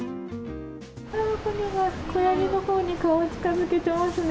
ポニョが子ヤギのほうに顔を近づけてますね。